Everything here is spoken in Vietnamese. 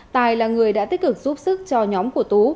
tài là người đã tích cực giúp sức cho nhóm của tú